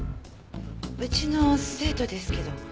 うちの生徒ですけど。